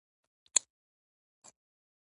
هر سيمه بیل کلتور لري